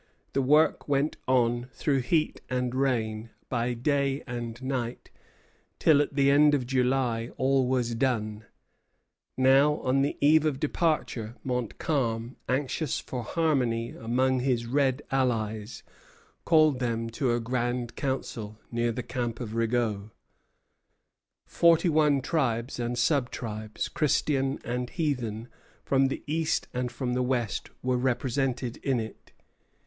The work went on through heat and rain, by day and night, till, at the end of July, all was done. Now, on the eve of departure, Montcalm, anxious for harmony among his red allies, called them to a grand council near the camp of Rigaud. Forty one tribes and sub tribes, Christian and heathen, from the east and from the west, were represented in it.